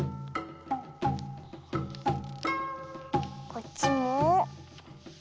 こっちも。